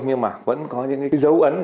nhưng mà vẫn có những cái dấu ấn